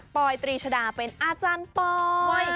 อยตรีชดาเป็นอาจารย์ปอย